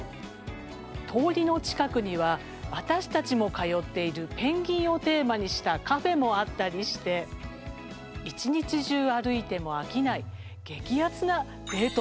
通りの近くには私たちも通っているペンギンをテーマにしたカフェもあったりして一日中歩いても飽きない激アツなデート